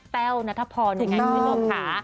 แป้วนาธพรนี่ไงคุณผู้ชมคะ